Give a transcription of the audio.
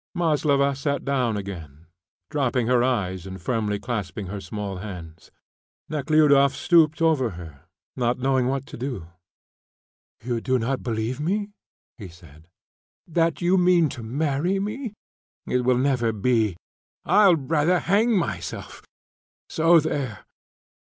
Maslova sat down again, dropping her eyes and firmly clasping her small hands. Nekhludoff stooped over her, not knowing what to do. "You do not believe me?" he said. "That you mean to marry me? It will never be. I'll rather hang myself. So there!"